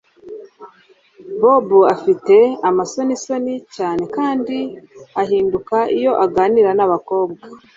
Bob afite amasonisoni cyane kandi ahinduka iyo aganira nabakobwa